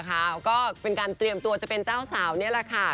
ก็เป็นการเตรียมตัวจะเป็นเจ้าสาวนี่แหละค่ะ